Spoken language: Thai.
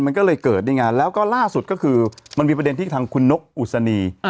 มันก็เลยเกิดนี่ไงแล้วก็ล่าสุดก็คือมันมีประเด็นที่ทางคุณนกอุศนี